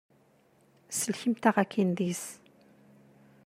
Sellkemt-aɣ akin deg-s.